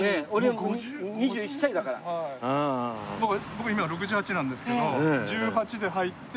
僕今６８なんですけど１８で入って。